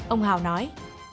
ông hào nói